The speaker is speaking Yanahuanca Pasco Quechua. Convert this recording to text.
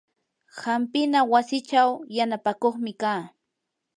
hampina wasichaw yanapakuqmi kaa.